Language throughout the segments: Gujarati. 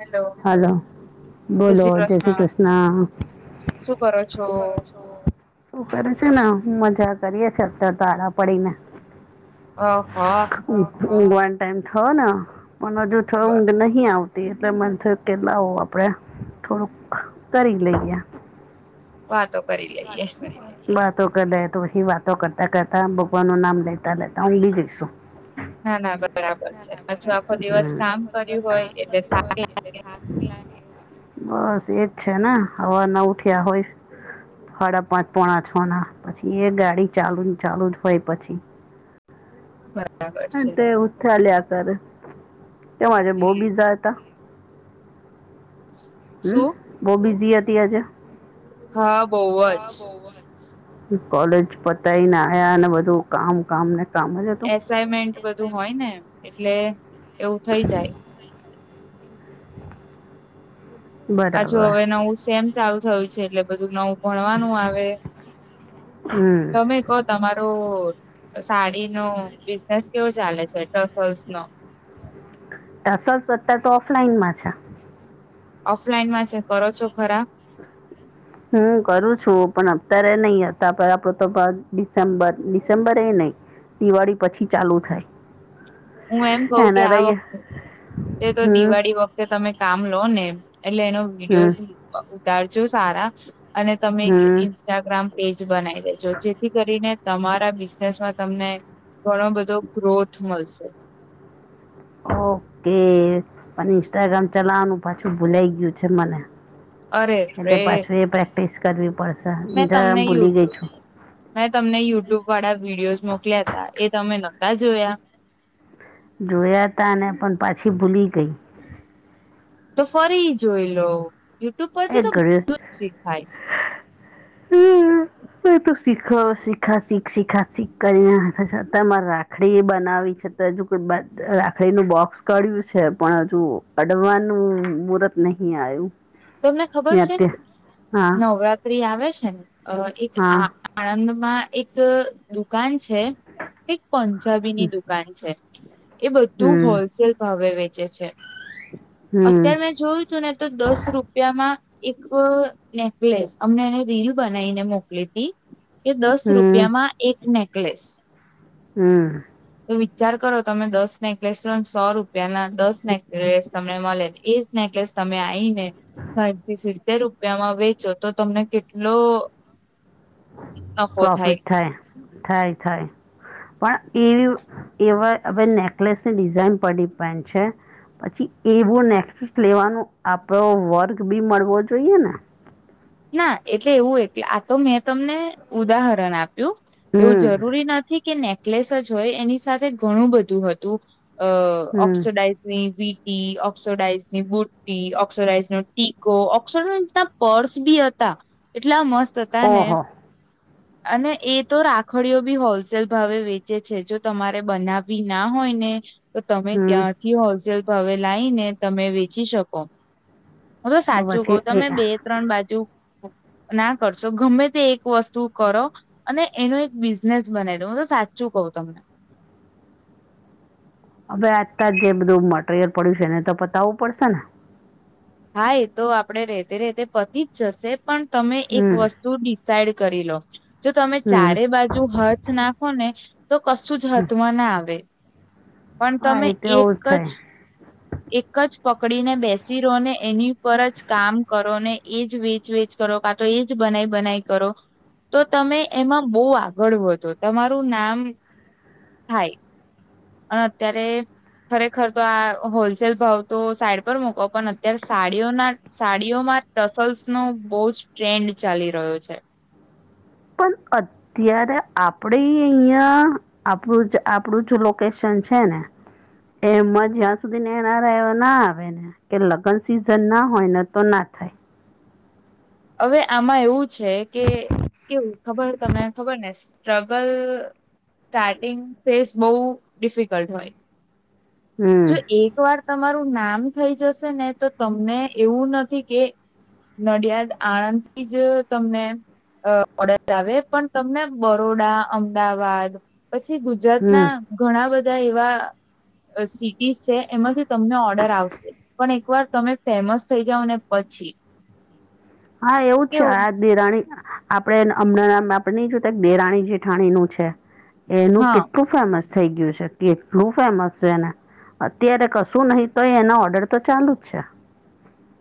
હેલો હાલો. બોલો જય શ્રી કૃષ્ણ. શું કરો છો શું કરે છે ને મજા કરીએ છે અત્યારે આળા પડીને. હો હો. ઊંઘ વન ટાઈમ થયો ને પણ હજુ થો બર ઊંઘ નહી આવતી એટલે મન. કે લવો આપણે થોડુંક કરી લઈએ. વાતો કરી લે. વાતો કરીએ. વાતો કર લે તોછી વાતો કરતા કરતા ભગવાન નું નામ લેતા લેતા હું બી જઈશું. ના ના બરાબર છે. હમ પાછું આખો દિવસ કામ ચખો કર્યું દિવસ હોય કામ એટલે કર થાક હોય એટ. બસ એજ છે ને હવાર ના ઉઠ્યા હોય. સાડા પાંચ પોણા છ ના પછી એ ગાડી ચાલુ ચાલુ જ હોય પછી. બરાબર. છે તે ઉથા લ્યા કર તે માજ બહુ હમ બીજા હતા. [inaudible] હમ બહુ બિઝી હતી આજે. હા બઉ જ. કોલેજ પતાય ને આયા અને બધું કામ કામ ને કામ જ હતું. પૅ મેન્ટ બધું હોય ને એટલે એવું થઈ જાય. પાછુ બરાબર હવે નવું સેમ ચાલુ થયું છે એટલે બધું નવું ભણવાનું આવે. હમ. તમે કહો તમારો સાડી નો બિઝનેસ કેવો ચાલે છે કસલ્સ નો. ટસા અ તો ઓફલાઈન માં છે. ઓફલાઈન માં છે કરો છો ખરા. હું કરું છું પણ અત્યારે નહી હતા આપડ તો ડિસેમ્બર ડિસેમ્બરે એ નહી. દિવાળી પછી ચાલુ થાય. હું એમ કઉ કે એના આ રહીએ વખતે. એ તો હમ દિવાળી વખતે તમે કામ લો ને એટલે એનો હમ વિડીયો. ઉતારજો સારા અને તમે. હમ ઇન્સ્ટાગ્રામ પેજ બનાવી લેજો જેથી કરીને તમારા બિઝનેસમાં તમને. ઘણો બધો ગ્રોથ મળશે. ઓકે પણ ઇન્સ્ટાગ્રામ ચલાવાનું પાછું ભૂલાઈ ગયું છે મને. અરે રે. પસ કરવી પડશે મેં તો તમને ભૂલી ગઈ યુટ્યુબ છું. મેં તમને યુટ્યુબ વાળા વિડીયોઝ મોકલ્યા હતા એ તમે નહોતા જોયા. જોયા ત પણ પાછી ભૂલી ગઈ. તો ફરી જોઈ લો યુટ્યુબ એ પરથી તો બધું શીખાય. હમ, હ. શીખ, શીખા, શીખ, શીખા, શીખ કરીને રાખડી એ બનાવી છે. હજુ રાખડી નું બોક્સ ક્યું છે, પણ હજુ કડવાનું મુર્ત. નહીં આયું. તમને ખબર છે, હા નવરાત્રી આવે છે ને, એક હા આ આણંદમાં એક દુકાન છે, એક પંજાબી ની હમ દુકાન. દુકાન છે, એ બધું હોલસેલ ભાવે વેચે છે. હમ હમ અત્યારે મેં જોયું તું ને, તો દસ રૂપ રૂપિયા માં એક નેકલેસ, અમને એને રીલ બનાવીને મોકલી તી. કે દસ હમ રૂપિયામાં એક નેકલેસ. હમ. તો વિચાર કરો, તમે દસ નેકલેસ સો રૂપિયા ના દસ નેકલેસ તમને મળેને એ નેકલેસ તમે આઈ ને. સાથી સિત્તેર રૂપિયામાં વેચો, તો તમને કેટલો નફો થાય. થાય, થાય, પણ એવી એવા હ નેક પ્લેસ ડીઝાઇન પર ડિપેન્ડ છે. પછી એવું નેક્સસ લેવાનું, આપણો વર્ગ બી મળવો જોઈએ ને? ના, એટલે એવું, એ આ તો મેં તમને ઉદાહરણ આપ્યું. એવું હમ જરૂરી નથી કે નેકલેસ જ હોય, એની સાથે ઘણું બધું હતું. હમ ઓક્સડાઇઝની વટ. ઓક્સઝની બુટ્ટી, ઓક્સડાઝ નો ટીકો, ઓક્સરડાઇઝ ના પર્સ બી હતા, એટલા મસ્ત હતા ને. ઓહો અને એ તો રાખડીઓ બી હોલસેલ ભાવે વેચે છે, જો તમારે બનાવી ના હોય ને. તો તમે હમ ત્યાંથી હોલસેલ ભાવે લાવીને, તમે વેચી શકો. હું તો સાચું કઉ, પછી એ તમે બે-ત્રણ બાજુ ના કરશો, ગમે તે એક વસ્તુ કરો. અને એનો એક બિઝનેસ બનાવી દો, હું તો સાચું કઉ તમને. હવે, આતા જ જે બધું મટરિયલ પડ્યું છે, એને તો બતાવવું પડશે ને. હા, એ તો આપડે રેતે રેતે પતિ જ જશે, પણ તમે એક હમ વસ્તુ ત ડિસાઈડ કરી લો, જો તમે હમ ચારે બાજુ હાથ નાખો ને. તો કશું જ હમ. હાથમાં જ ના આવે, પણ હા તમે એ તો એક એવું જ. થાય એક જ પકડી ને બેસી રહો ને, એની ઉપર જ કામ કરો ને, એજ વેચ વેચ કરો, કાં તો એજ બનાઈ બનાઈ કરો. તો તમે એમાં બહુ આગળ વઘ્યો, તમારું નામ. થાય, અને અત્યારે ખરેખર તો, આ હોલસેલ ભાવ તો સાઈડ પર મૂકો, પણ અત્યારે સાડીઓના સાડીઓમાં ટસલ્સ નો બહુ જ ટ્રેન્ડ ચાલી રહ્યો છે. પણ અત્યારે આપડે અહીં આપણું જ આપણું જ લોકેશન છે ને. એમ જ્યાં સુધી ને, એનારા એ ના આવે ને. કે લગ્ન સિઝન ના હોય ને, તો ના થાય. હવે, આમાં એવું છે કે એવું ખબર તમને ખબર ને સ્ટ્રગલ સ્ટાર્ટિંગ ફેસ, બહુ ડિફિકલ્ટ હોય. હમ જો એક વાર તમારું નામ થઈ જશે ને, તો તમને એવું નથી કે નડિયાદ, આણંદ થી જ તમને. અ પડત આવે, પણ તમને બરોડા, અમદાવાદ. પછી ગુજરાત હમ ના ઘણા બધા એવા. સિટીસ છે, એમાંથી તમને ઓર્ડર આવશે, પણ એકવાર તમે ફેમસ થઈ જાવ ને પછી. હા એવું છે કેવું આજ દિરાણી આપડે હમણાં ના આપણે નઈ જો દેરાણી જેઠાણી નું છે એનું હા કેટલું ફેમસ થઈ ગયું છે એટલું ફેમસ છે ને અત્યારે કશું નહિ તો એના ઓર્ડર તો ચાલુ જ છે.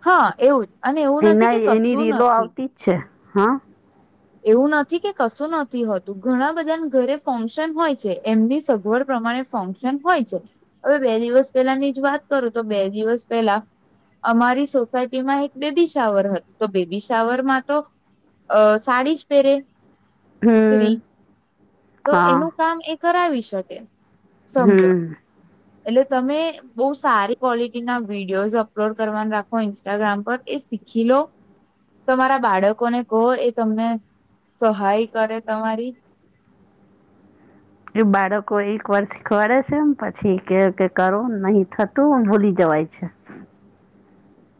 હા એવું જ અને એવું છે નથી એના કે એની કશું રીલો નથી આવતી જ છે હા. એવું નથી કે કશું નથી હોતું ઘણા બધા ઘરે ફંક્શન હોય છે એમની સગવડ પ્રમાણે ફંક્શન હોય છે હવે બે દિવસ પહેલાની જ વાત કરું તો બે દિવસ પહેલા અમારી સોસાયટીમાં એક બેબી શાવર હતું તો બેબી શાવર માં તો અ સાડી જ પહેરે સ્ત્રી હમ તો હા એનું કામ એક કરાવી શકે સમજો, હમ એટલે તમે બવ સારી ક્વોલિટી ના વિડીયોઝ અપલોડ કરવા રાખો ઇન્સ્ટાગ્રામ પર એ શીખી લો તમારા બાળકોને કહો એ તમને સહાય કરે તમારી. એ બાળકો એક વાર શીખવાડે છે એમ પછી કે કરો નહી થતું ભૂલી જવાય છે.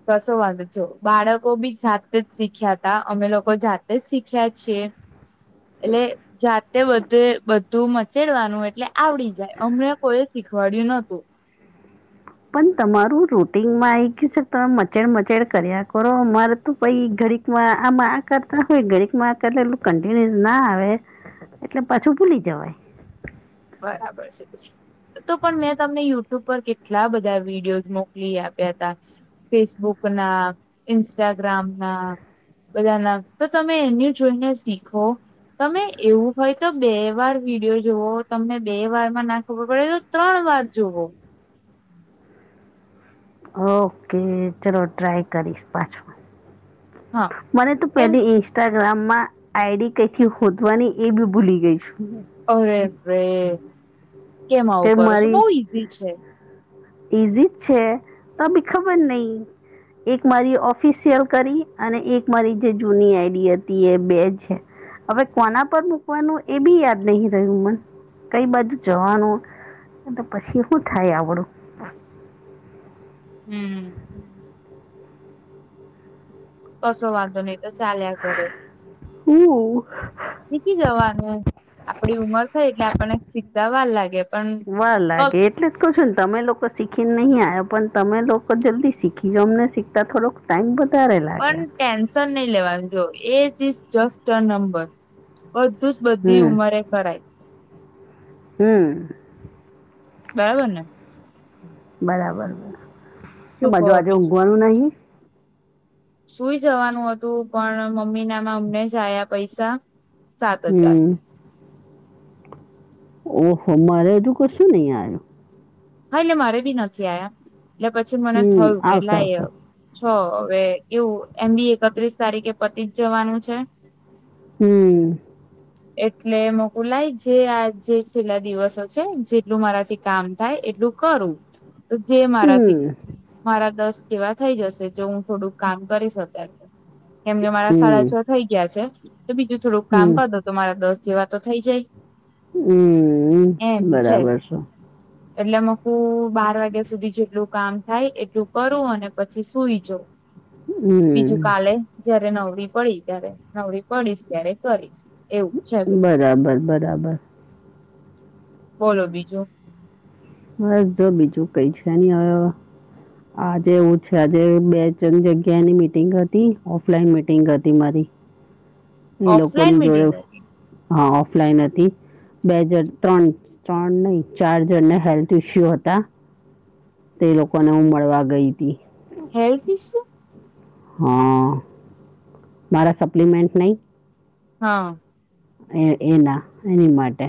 કશો વાંધ જો બાળકો બી જાતે જ શીખ્યા તા અમે લોકો જાતે જ શીખ્યા છીએ. [inaudible] એટલે જાતે બધે બધું મચેડવાનું એટલે આવડી જાય અમને કોઈ શીખવાડ્યું નતું. પણ તમારું રૂટીનમાં આવી ગયું છે તમે મચેડ મચેડ કર્યા કરો અમારે તો પહી ઘડીકમાં આમાં આ કરતા હોય, ઘડીકમાં આ કરે એટલું કન્ટિન્યુસ ના આવે. એટલે પાછું ભૂલી જવાય. બરાબર છે. તો પણ મેં તમને યુટ્યુબ પર કેટલા બધા વિડીયો મોકલી આપ્યા હતા. ફેસબુક ના, ઇન્સ્ટાગ્રામ ના બધા ના તો તમે એની જોઈને શીખો. તમે એવું હોય તો બે વાર વિડીયો જુવો તમને બે વાર માં ના ખબર પડે તો ત્રણ વાર જુવો. ઓકે ચલો ટ્રાય કરીશ પાછું. હા મને તો કેમ પહેલી એ ઇન્સ્ટાગ્રામ માં આઈ ડી કઈથી હોદવાની એ બી ભૂલી ગઈ છું. અરે રે કેમ આવું કે કરો છો, બઉ ઈઝી છે. ઈઝી જ છે તોબી ખબર નઇ. એક મારી ઓફિશિયલ કરી અને એક મારી જે જૂની આઈ ડી હતી એ બે છે. હવે કોના પર મૂકવાનું એ બી યાદ નહી રહ્યું મન કઈ બાજુ જવાનું તો પછી હું થાય આવડું. હમ્મ. કસો વાંધો નહી એ તો ચાાલ્યા કરે. [unintelligible] શીખી જવાનું, આપડી ઉમર થઈ એટલે આપણને શીખતા વાર લાગે. પણ વાર બસ લાગે. એટલે કવ છું ને તમે લોકો શીખીને નહીં આવ્યા પણ તમે લોકો જલ્દી શીખી અમને શીખતા થોડોક ટાઈમ વધારે પણ લાગે. ટેન્શન નહી લેવાનું જો age is just a number. બધું જ બધી હમ ઉંમરે કરાય. હમ્મ. બરાબરને? બરાબરા, કેમ શું કહો આજુ આજે બીજું ઊંઘવાનું નહીં? સુઈ જવાનું હતું પણ મમ્મીનામાં અમને જ આયા પૈસા સાત હજાર. હમ ઓ હો મારે હજું કશું નહીં આવ્યું. હા એટલે મારે બી નથી આયા એટલે પછી મને હમ થયું કે આવશે લાય આવશે છો. હવે એવું એમ બી એકત્રીસ તારીખે પતિ જ જવાનું છે. હમ્મ. [inaudible] એટલે મોકુલાય જે આ જે છેલ્લા દિવસો છે જેટલું મારાથી કામ થાય એટલું કરું તો જે મારાથી હમ મારા દસ જેવા થઈ જશે જો હું થોડુંક કામ કરીશ ત્યારે તો. કેમ કે મારા સાડા હમ છો થઈ ગયા છે તો બીજું થોડુંક હમ કામ કર દો તો મારા દસ જેવા તો થઈ જાય. હમ્મ અમ્મ બરાબર છે. એટલે મકું બાર વાગ્યા સુધી જેટલું કામ થાય એટલું કરું અને પછી સુઈ જાઉં. હમ બીજું કાલે જયારે નવરી પડી ત્યારે નવરી પડીશ ત્યારે કરીશ. એવું છે બધું બરાબર, બરાબર. બોલો બીજું. બસ જો બીજું કઈ છે નહી હવે આજે એવું છે આજે બે ત્રણ જગ્યાની મિટિંગ હતી ઓફલાઈન મિટિંગ હતી મારી. એ ઓફલાઈન લોકોની જોડે મિટિંગ હતી હા ઓફલાઈન હતી. બેજણ ત્રણ ત્રણ નહી ચાર જણને હેલ્થ ઇસ્યુ હતા તે લોકોને હું મળવા ગઈ તી. Health issue? હા, મારા સપ્લિમેન્ટ નહીં. હા. એ એના એની માટે.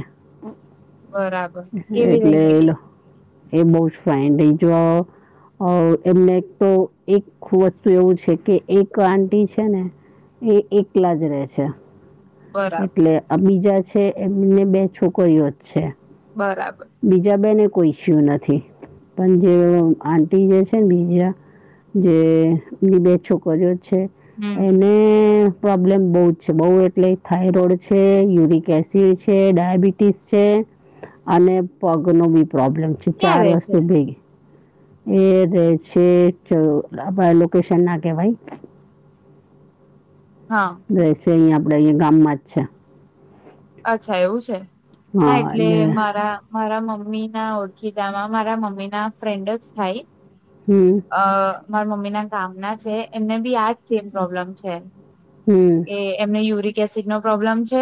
બરા એટલે એ લો બહુ જ ફાઈન તે જો હો એમલે તો એક વસ્તુ એવું છે કે એક આંટી છે ને એ એકલા જ રહે છે. બરાબર એટલે આ બીજા છે એમને બે છોકરીઓ જ છે. બરાબર. બીજા બેને કોઈ ઈશ્યુ નથી પણ જે આટી જે છે ને બીજા જે ની બે છોકરીયો છે હમ એને પ્રોબ્લેમ બહુજ છે બહ એટલે થાયરોઈડ છે યુરિક એસિડ છે ડાયાબિટીસ છે અને પગ નું બી પ્રોબ્લેમ છે ક્યાં ચાર રે વર્ષ છે થી ભેગી એ જે છે કે બાર લોકેશન ના કેવાય. હા. રહેશે અહીં આપડે અહીયા આપડા ગામમાં જ છે. અચ્છા એવું છે. ના એટલે મારા મારા મમ્મી ના ઓળખી ગા મારા મમ્મી ના ફ્રેન્ડ જ થાય હમ્મ. અહ મારા મમ્મી ના ગામના છે એમને બી આજ સેમ પ્રોબ્લેમ છે. હમ્મ. એ એમને યુરિક એસિડ નો પ્રોબ્લેમ છે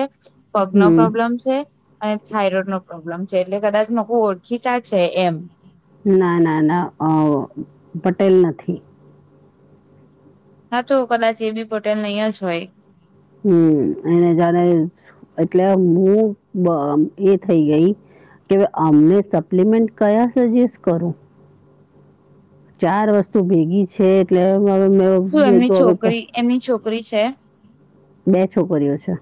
પગ નો હમ પ્રોબ્લમ છે અને થઇરોઈડ નો પ્રોબ્લેમ છે એટલે કદાચ લોકો ઓળખીચા છે એમ. ના ના ના અહ પટેલ નથી. હા તો કદાચ એ બી પટેલ નહીં જ હોય. હમ્મ એને જાણે એટલે હું બ અહ એ થઈ ગઈ કે અમને સપ્લિમેન્ટ કયા સજેસ્ટ કરું. ચાર વસ્તુ ભેગી છે એટલે હવે મેં શું બી એમની તો હવે પ છોકરી એમની છોકરી છે બે છોકરીઓ છે.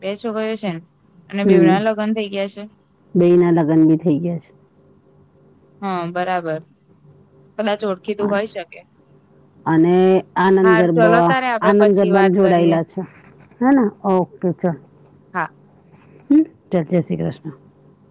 બે છોકરીયો છે ને અને બેવના લગ્ન થઇ ગયા છે? બેઈ ના લગ્ન બી થઈ ગયા છે. હા, બરાબર કદાચ ઓળખી તું હા હોય શકે. અને આનંદ હાર ગરબો, ચલો તારે આપડે આનંદ પછી ગરબા વાત ને કરીએ જોડાયેલા છે. હને, ઓકે ચલ હા હ, ચલ જે શ્રી કૃષ્ણ.